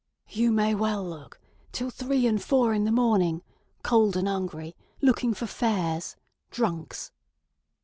"You may well look! Till three and four o'clock in the morning. Cold and 'ungry. Looking for fares. Drunks."